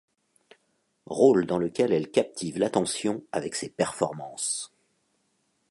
Rôle dans lequel elle captive l'attention avec ses performances.